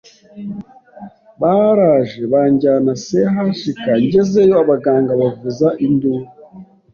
baraje banjyana CHK njyezeyo abaganga bavuza induru